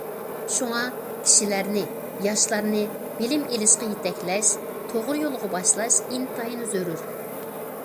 شۇڭا كىشىلەرنى، ياشلارنى بىلىم ئېلىشقا يېتەكلەش، توغرا يولغا باشلاش ئىنتايىن زۆرۈر.